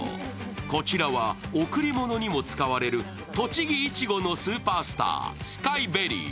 こちらは贈り物にも使われる栃木いちごのスーパースター、スカイベリー。